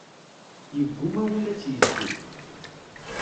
Yeggumma wul ad tt-yettu.